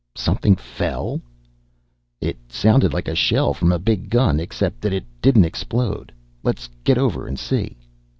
"Something fell?" "It sounded like a shell from a big gun, except that it didn't explode. Let's get over and see!"